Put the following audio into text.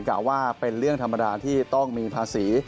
กล่าวว่าเป็นเรื่องธรรมดาที่ต้องมีภาษี